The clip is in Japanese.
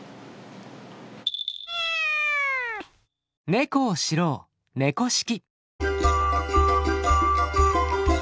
ネコを知ろう「猫識」。